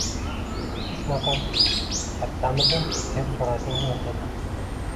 — U shunaqa kattamidi? — deb so‘rabdi u o‘g‘lidan